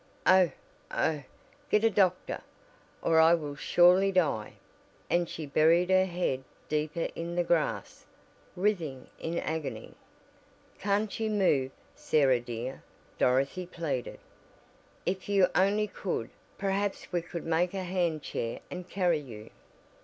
Oh, oh. Get a doctor or I will surely die!" and she buried her head deeper in the grass, writhing in agony. "Can't you move, Sarah dear?" Dorothy pleaded, "If you only could, perhaps we could make a hand chair and carry you."